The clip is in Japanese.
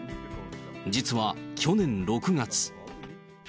実は、去年６月。